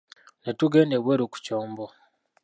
Ne tugenda ebweru ku kyombo.